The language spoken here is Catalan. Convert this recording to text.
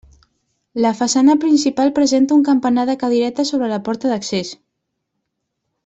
La façana principal presenta un campanar de cadireta sobre la porta d'accés.